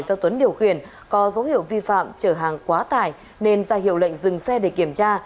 do tuấn điều khiển có dấu hiệu vi phạm chở hàng quá tải nên ra hiệu lệnh dừng xe để kiểm tra